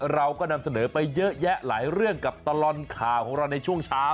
เราก็นำเสนอไปเยอะแยะหลายเรื่องกับตลอดข่าวของเราในช่วงเช้า